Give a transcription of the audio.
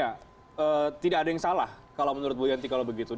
ya tidak ada yang salah kalau menurut bu yanti kalau begitu